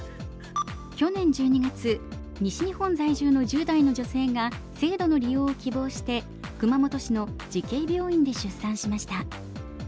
去年１２月西日本在住の１０代の女性が制度の利用を希望して熊本市の慈恵病院で出産しました。